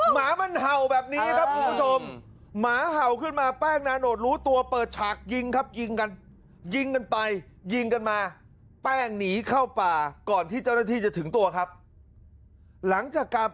หาวหาวหาวหาวหาวหาวหาวหาวหาวหาวหาวหาวหาวหาวหาวหาวหาวหาวหาวหาวหาวหาวหาวหาวหาวหาวหาวหาวหาวหาวหาวหาวหาวหาวหาวหาวหาว